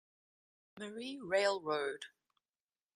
Marie Railroad.